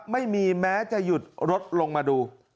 ไม่มีแม้จะหยุดรถลงมาดู